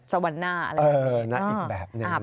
สวรรค์หน้าอะไรแบบนี้นะอีกแบบหนึ่งนะครับ